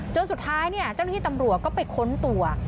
จนสุดท้ายเจ้าหน้าที่ตำรวจก็ไปค้นตัว